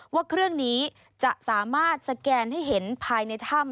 ว่าเครื่องนี้จะสามารถสแกนให้เห็นภายในถ้ำ